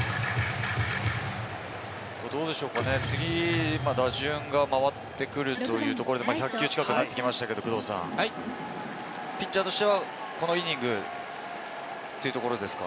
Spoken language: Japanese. どうでしょうかね、次、打順が回ってくるというところで１００球近くなってきましたけれども、ピッチャーとしては、このイニング。